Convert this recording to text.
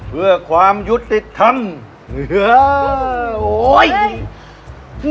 เพื่อความยุติธรรม